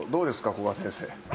古賀先生。